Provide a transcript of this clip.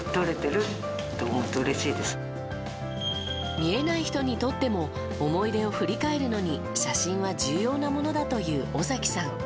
見えない人にとっても思い出を振り返るのに写真は重要なものだという尾崎さん。